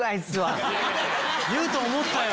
言うと思ったよ！